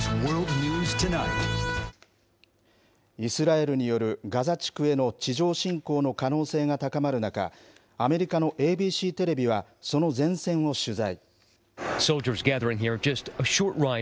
イスラエルによるガザ地区への地上侵攻の可能性が高まる中、アメリカのＡＢＣテレビは、その前線を取材。